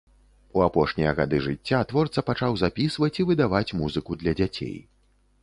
У апошнія гады жыцця творца пачаў запісваць і выдаваць музыку для дзяцей.